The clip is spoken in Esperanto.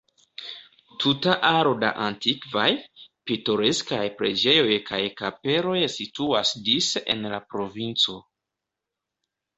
Tuta aro da antikvaj, pitoreskaj preĝejoj kaj kapeloj situas dise en la provinco.